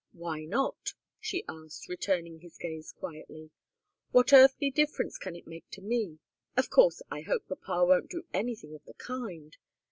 "Why not?" she asked, returning his gaze quietly. "What earthly difference can it make to me? Of course, I hope papa won't do anything of the kind.